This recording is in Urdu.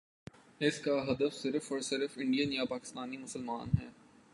اس کا ہدف صرف اور صرف انڈین یا پاکستانی مسلمان ہیں۔